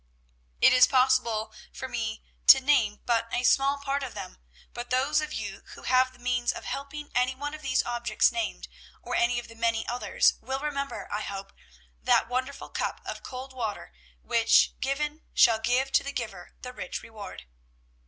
"It is possible for me to name but a small part of them, but those of you who have the means of helping any one of these objects named, or any of the many others, will remember, I hope, that wonderful cup of cold water which, given, shall give to the giver the rich reward.